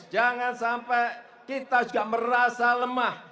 jangan sampai kita juga merasa lemah